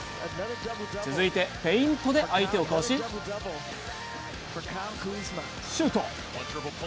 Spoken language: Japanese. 続いて、フェイントで相手をかわしシュート。